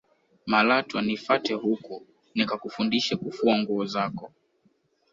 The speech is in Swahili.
malatwa nifate huku nikakufundishe kufua nguo zako